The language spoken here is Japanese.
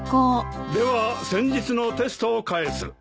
では先日のテストを返す。